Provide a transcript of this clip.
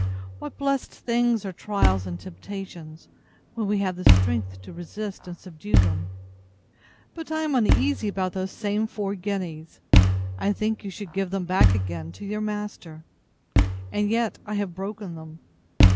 What blessed things are trials and temptations, when we have the strength to resist and subdue them! But I am uneasy about those same four guineas; I think you should give them back again to your master; and yet I have broken them.